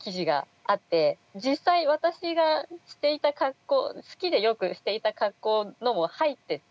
実際私が着ていた格好好きでよくしていた格好のも入ってて。